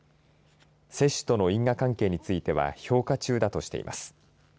接種との因果関係については評価中だとしています。